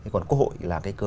còn quốc hội là cái cơ quan